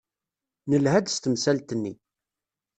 Nelha-d s temsalt-nni.